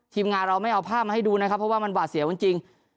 ทีมงานเราไม่เอาภาพมาให้ดูนะครับเพราะว่ามันหวาดเสียวจริง